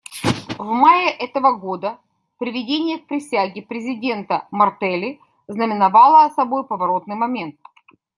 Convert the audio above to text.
В мае этого года приведение к присяге президента Мартелли знаменовало собой поворотный момент.